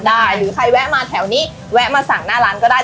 หรือใครแวะมาแถวนี้แวะมาสั่งหน้าร้านก็ได้